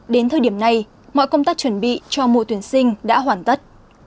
đến thời điểm này mọi công tác chuẩn bị cho mùa tuyển sinh đã hoàn tất